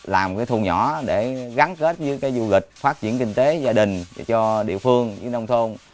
làm cái thu nhỏ để gắn kết với cái du lịch phát triển kinh tế gia đình cho địa phương với nông thôn